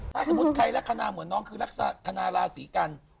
ถ้าสมมุติใครลักษณะเหมือนน้องคือลักษณะธนาราศีกัน